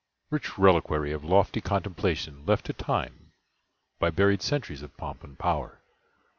Rich reliquary Of lofty contemplation left to Time By buried centuries of pomp and power!